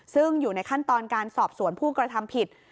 ซึ่งอยู่ในขั้นตอนการสอบสวนผู้กระทำผิด